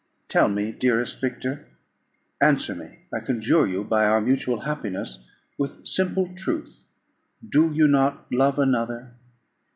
Tell me, dearest Victor. Answer me, I conjure you, by our mutual happiness, with simple truth Do you not love another?